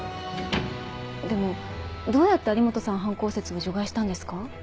でもどうやって有本さん犯行説を除外したんですか？